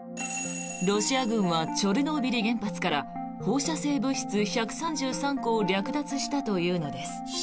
ロシア軍はチョルノービリ原発から放射性物質１３３個を略奪したというのです。